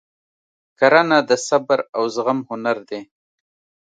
کرنه د صبر او زغم هنر دی.